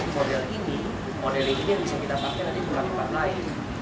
sehingga nanti modeling ini yang bisa kita pakai nanti juga di tempat lain